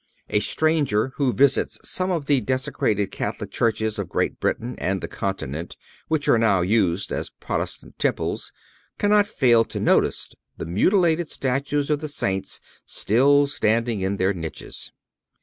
A stranger who visits some of the desecrated Catholic churches of Great Britain and the Continent which are now used as Protestant temples cannot fail to notice the mutilated statues of the Saints still standing in their niches.